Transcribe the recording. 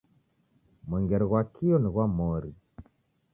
Mwengere ghwa kio ni ghwa mori.